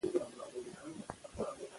خو اودس مې وکړو ـ